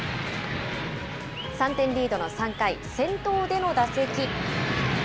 ３点リードの３回、先頭での打席。